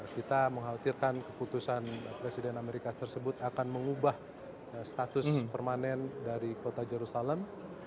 kita mengkhawatirkan keputusan presiden amerika tersebut akan mengubah status permanen dari kota jerusalem